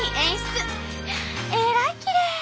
えらいきれい！